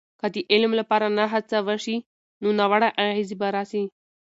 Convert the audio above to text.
که د علم لپاره نه هڅه وسي، نو ناوړه اغیزې به راسي.